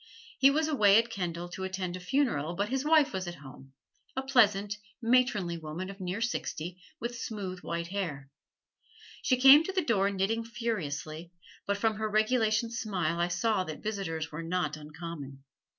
He was away at Kendal to attend a funeral, but his wife was at home a pleasant, matronly woman of near sixty, with smooth, white hair. She came to the door knitting furiously, but from her regulation smile I saw that visitors were not uncommon.